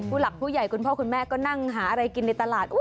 หลักผู้ใหญ่คุณพ่อคุณแม่ก็นั่งหาอะไรกินในตลาด